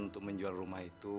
untuk menjual rumah itu